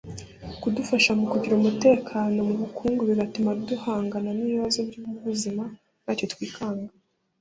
kudufasha mu kugira umutekano mu bukungu bigatuma duhangana n’ibibazo by’ubuzima ntacyo twikanga